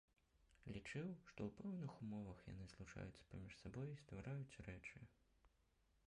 Лічыў, што ў пэўных умовах яны злучаюцца паміж сабой і ствараюць рэчы.